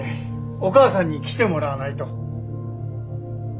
お母さんに来てもらわないと。